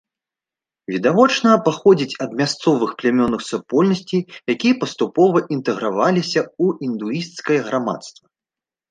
Відавочна, паходзіць ад мясцовых племянных супольнасцей, якія паступова інтэграваліся ў індуісцкае грамадства.